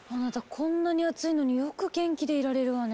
こんなに暑いのによく元気でいられるわね。